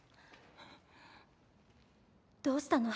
どうしたの？